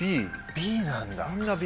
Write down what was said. Ｂなんだ。